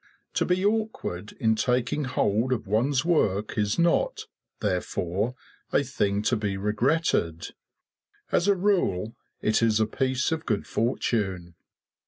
To be awkward in taking hold of one's work is not, therefore, a thing to be regretted; as a rule it is a piece of good fortune.